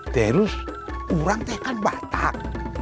terus orang itu kan batak